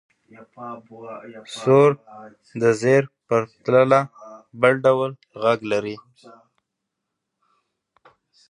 زور د زېر په پرتله بل ډول غږ لري.